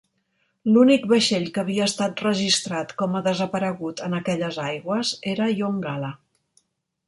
L'únic vaixell que havia estat registrat com a desaparegut en aquelles aigües era "Yongala".